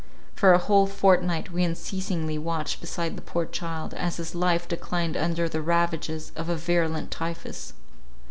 For a whole fortnight we unceasingly watched beside the poor child, as his life declined under the ravages of a virulent typhus.